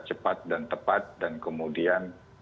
cepat dan tepat dan kemudian